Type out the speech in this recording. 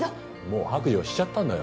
もう白状しちゃったんだよ